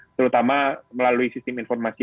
terutama melalui sistem informasi